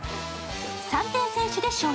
３点先取で勝利。